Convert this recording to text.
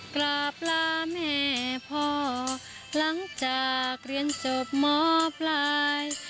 กราบลาแม่พ่อหลังจากเรียนจบหมอปลาย